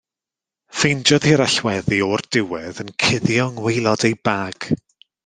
Ffeindiodd hi'r allweddi o'r diwedd yn cuddio yng ngwaelod ei bag.